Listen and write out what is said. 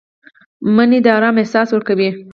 مني د آرام احساس ورکوي